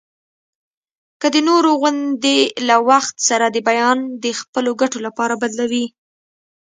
که د نورو غوندي له وخت سره د بیان د خپلو ګټو لپاره بدلوي.